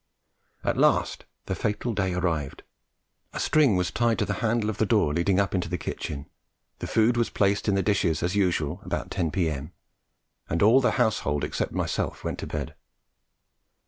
At last the fatal day arrived. A string was tied to the handle of the door leading up into the kitchen, the food was placed in the dishes as usual about ten p.m., and all the household, except myself, went to bed.